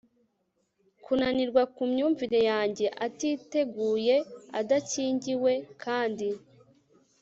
kunanirwa kwimyumvire yanjye atiteguye, adakingiwe kandi